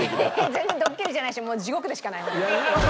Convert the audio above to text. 全然ドッキリじゃないしもう地獄でしかない。